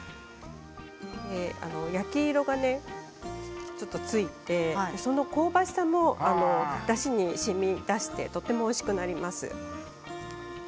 焼き色がついてその香ばしさもだしに、しみ出してとてもおいしくなります。